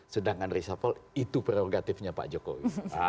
sedangkan reshuffle itu prerogatifnya pak jokowi